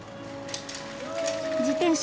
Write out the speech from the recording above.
自転車